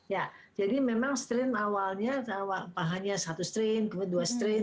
ya jadi memang strain awalnya hanya satu strain dua strain